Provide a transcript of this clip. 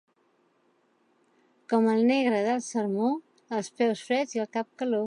Com el negre del sermó, els peus freds i al cap calor.